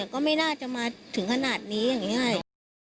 ก็ไม่น่าจะมาถึงขนาดนี้อย่างนี้